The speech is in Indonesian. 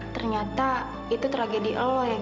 ternyata itu tragedi lo ya g